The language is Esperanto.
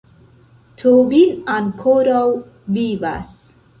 Tobin ankoraŭ vivas!